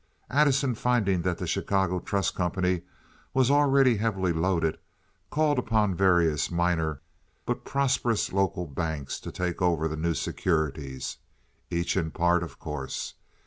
Addison, finding that the Chicago Trust Company was already heavily loaded, called upon various minor but prosperous local banks to take over the new securities (each in part, of course).